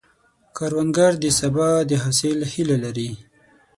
کروندګر د سبا د حاصل هیله لري